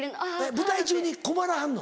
舞台中に困らはんの？